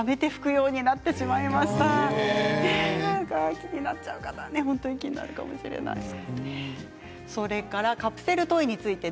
気になっちゃう方は本当に気になるかもしれないです。